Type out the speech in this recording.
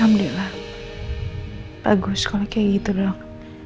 alhamdulillah bagus kalau kayak gitu dok